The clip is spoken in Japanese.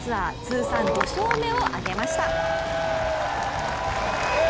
通算５勝目を挙げました。